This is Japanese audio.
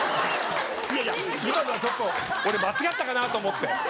いやいや今のはちょっと俺間違ったかなと思って。